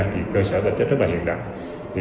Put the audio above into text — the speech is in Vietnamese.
thì cơ sở vật chất rất là hiện đại